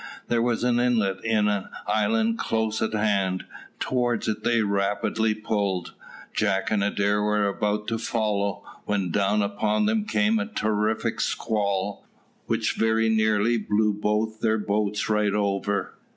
There was an inlet in an island close at hand: towards it they rapidly pulled. Jack and Adair were about to follow, when down upon them came a terrific squall, which very nearly blew both their boats right over.